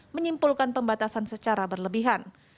menyimpulkan pembatasan secara berlebihan